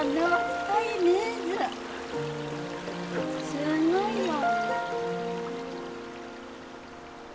すごいよ。